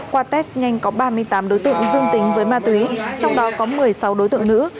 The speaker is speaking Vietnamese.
qua test nhanh có ba mươi tám đối tượng dương tính với ma túy trong đó có một mươi sáu đối tượng nữ